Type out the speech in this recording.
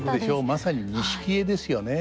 まさに錦絵ですよね。